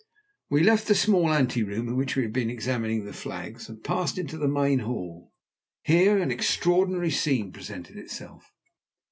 We left the small ante room, in which we had been examining the flags, and passed back into the main hall. Here an extraordinary scene presented itself.